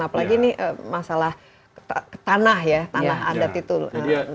apalagi ini masalah tanah ya tanah adat itu